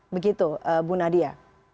begitu bu nadia